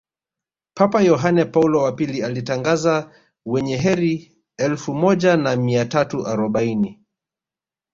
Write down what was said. papa yohane paulo wa pili alitangaza Wenye kheri elfu moja na mia tatu arobaini